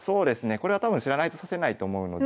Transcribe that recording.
これは多分知らないと指せないと思うので。